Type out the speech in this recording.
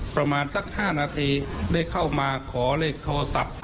ประมาณสัก๕นาทีได้เข้ามาขอเลขโทรศัพท์